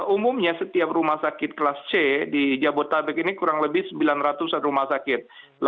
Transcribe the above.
umumnya setiap rumah sakit kelas c di jabodetabek ini kurang lebih sembilan ratus an rumah sakit